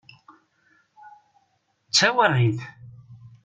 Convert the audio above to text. D tawaɣit!